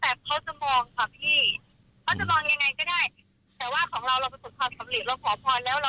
แต่ว่าของเราเราประสุทธิ์พอสำเร็จเราขอพรแล้วเราสำเร็จเข้ามาหา